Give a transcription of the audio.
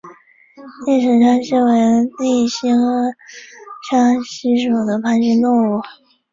叶城沙蜥为鬣蜥科沙蜥属的爬行动物。